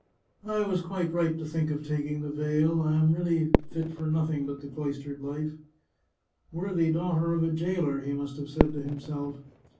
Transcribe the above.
... I was quite right to think of taking the veil — I am really fit for nothing but the cloistered life. ' Worthy daughter of a jailer,' he must have said to himself.